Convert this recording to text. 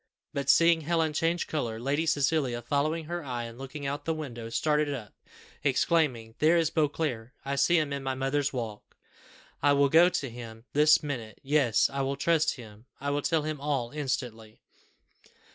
But seeing Helen change colour, Lady Cecilia, following her eye, and looking out of the window, started up, exclaiming, "There is Beauclerc; I see him in my mother's walk. I will go to him this minute; yes, I will trust him I will tell him all instantly."